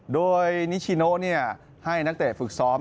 โดยนิชิโนให้นักเตะฝึกซ้อม